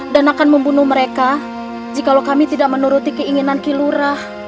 dan akan membunuh mereka jika kami tidak menuruti keinginan kilurah